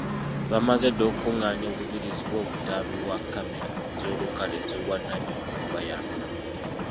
Baamaze dda okukungaanya obujulizi bw’obutambi bwa kkamera ez’olukale n’ez'obwannannyini okubayamba.